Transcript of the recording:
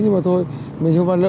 nhưng mà thôi mình không phải lỡ